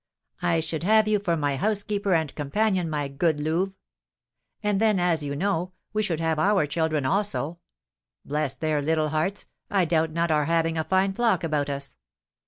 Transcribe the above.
I should have you for my housekeeper and companion, my good Louve; and then, as you know, we should have our children also. Bless their little hearts, I doubt not our having a fine flock about us!